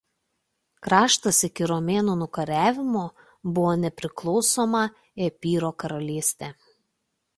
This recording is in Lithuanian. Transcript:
Kraštas iki romėnų nukariavimo buvo nepriklausoma Epyro karalystė.